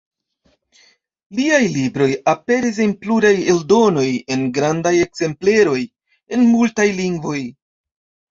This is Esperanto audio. Liaj libroj aperis en pluraj eldonoj en grandaj ekzempleroj, en multaj lingvoj.